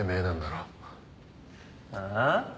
ああ？